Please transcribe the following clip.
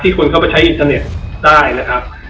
คนเข้าไปใช้อินเทอร์เน็ตได้นะครับ